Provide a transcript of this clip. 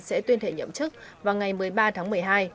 sẽ tuyên thệ nhậm chức vào ngày một mươi ba tháng một mươi hai